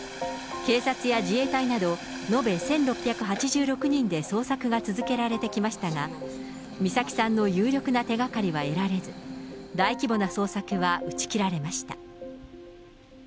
警察や自衛隊など、延べ１６８６人で捜索が続けられてきましたが、美咲さんの有力な手がかりは得られず、大規模な捜索は打ち切られました。